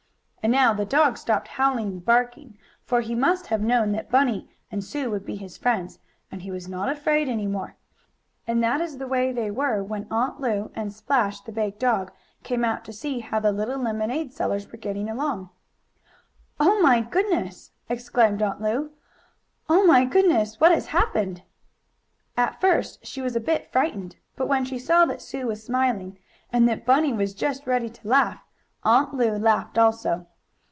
And now the dog stopped howling and barking, for he must have known that Bunny and Sue would be his friends, and he was not afraid any more. And that is the way they were when Aunt Lu and Splash, the big dog, came out to see how the two little lemonade sellers were getting along. "Oh my goodness!" exclaimed Aunt Lu. "Oh my goodness! What has happened?" At first she was a bit frightened, but when she saw that Sue was smiling, and that Bunny was just ready to laugh, Aunt Lu laughed also.